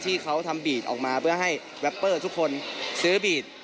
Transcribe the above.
ที่เขาทำบีดออกมาเพื่อให้แรปเปอร์ทุกคนซื้อบีด